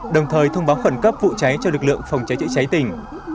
đồng thời thông báo khẩn cấp vụ cháy cho lực lượng phòng cháy chữa cháy tỉnh